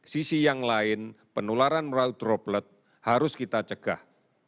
sisi yang lain penularan melalui droplet harus kita cegah